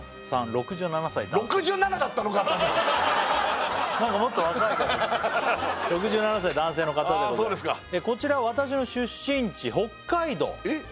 ６７歳男性なんかもっと若いかと６７歳男性の方でございますそうですか「こちら私の出身地北海道」えっ